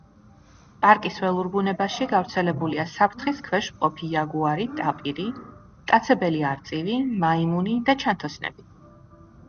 პარკის ველურ ბუნებაში გავრცელებულია საფრთხის ქვეშ მყოფი იაგუარი, ტაპირი, მტაცებელი არწივი მაიმუნი და ჩანთოსნები.